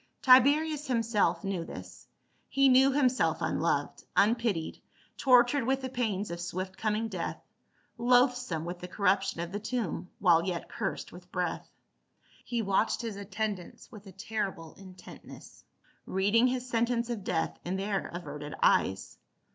Tiberius himself knew this ; he knew him self unloved, unpitied, tortured with the pains of swift coming death, loathsome with the corruption of the tomb while yet cursed with breath. He watched his attendants with a terrible intentness, reading his sen tence of death in their averted eyes.